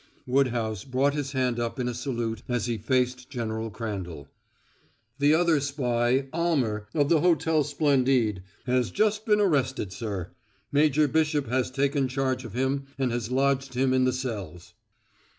Woodhouse brought his hand up in a salute as he faced General Crandall. "The other spy, Almer, of the Hotel Splendide, has just been arrested, sir. Major Bishop has taken charge of him and has lodged him in the cells."